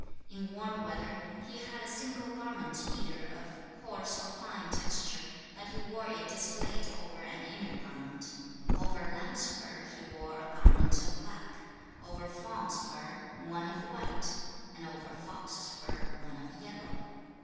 In warm weather, he had a single garment either of coarse or fine texture, but he wore it displayed over an inner garment. 4. Over lamb's fur he wore a garment of black; over fawn's fur one of white; and over fox's fur one of yellow. 狐裘.[五節]褻裘長/短右袂.